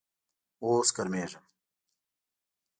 اوس ګرمیږم